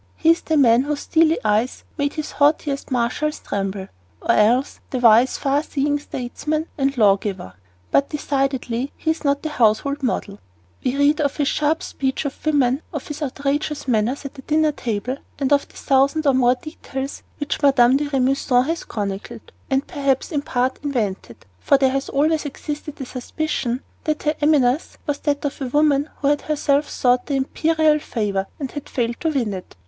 He is the man whose steely eyes made his haughtiest marshals tremble, or else the wise, far seeing statesman and lawgiver; but decidedly he is not a household model. We read of his sharp speech to women, of his outrageous manners at the dinner table, and of the thousand and one details which Mme. de Remusat has chronicled and perhaps in part invented, for there has always existed the suspicion that her animus was that of a woman who had herself sought the imperial favor and had failed to win it.